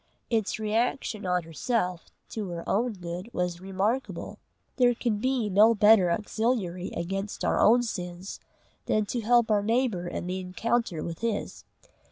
Its reaction on herself to her own good was remarkable. There can be no better auxiliary against our own sins than to help our neighbour in the encounter with his.